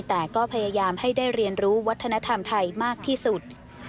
แต่ก็พยายามให้ได้เรียนรู้วัฒนธรรมไทยมากที่สุด